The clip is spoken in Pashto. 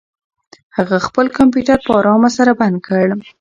هغه خپل کمپیوټر په ارامه سره بند کړ.